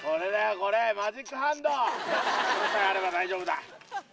これさえあれば大丈夫だ。